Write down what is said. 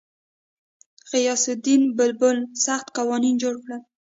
غیاث الدین بلبن سخت قوانین جوړ کړل.